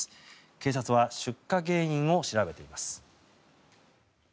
警察は出火原因を調べています。